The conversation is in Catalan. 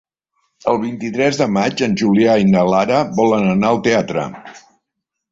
El vint-i-tres de maig en Julià i na Lara volen anar al teatre.